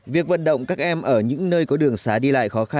việc vận động các em ở những nơi có đường xá đi lại khó khăn